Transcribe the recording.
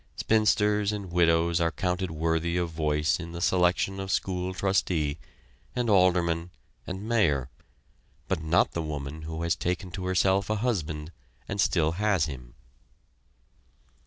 Spinsters and widows are counted worthy of voice in the selection of school trustee, and alderman, and mayor, but not the woman who has taken to herself a husband and still has him.